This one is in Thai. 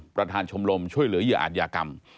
ประธานชมรมช่วยเหลือเหยื่ออาจยากรรม